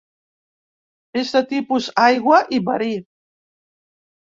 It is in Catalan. És de tipus aigua i verí.